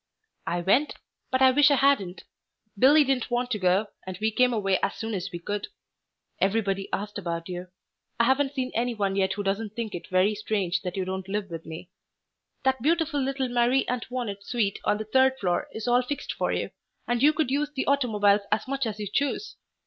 "I went, but I wish I hadn't. Billy didn't want to go, and we came away as soon as we could. Everybody asked about you. I haven't seen any one yet who doesn't think it very strange that you won't live with me. That beautiful little Marie Antoinette suite on the third floor is all fixed for you, and you could use the automobiles as much as you choose.